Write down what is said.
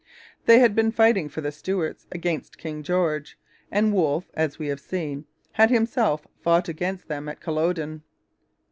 They had been fighting for the Stuarts against King George, and Wolfe, as we have seen, had himself fought against them at Culloden.